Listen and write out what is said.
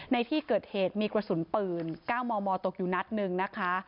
ในที่เกิดเหตุมีกระสุนปืน๙มมตกอยู่นัดหนึ่งนะคะ